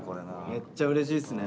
めっちゃうれしいっすね。